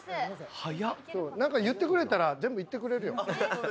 何か言ってくれたら全部行ってくれるよ。